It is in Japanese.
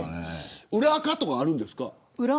裏アカとかあるんですか。